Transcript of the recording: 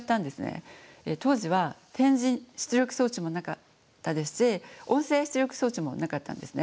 当時は点字出力装置もなかったですし音声出力装置もなかったんですね。